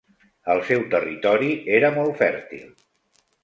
El seu territori era molt fèrtil.